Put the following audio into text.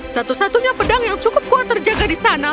satu satunya pedang yang cukup kuat terjaga di sana